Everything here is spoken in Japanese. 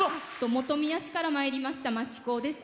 本宮市からまいりましたましこです。